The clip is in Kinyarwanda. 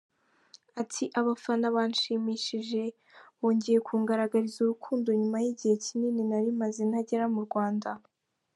Ati “Abafana banshimishije, bongeye kungaragariza urukundo nyuma y’igihe kinini narimaze ntagera mu Rwanda.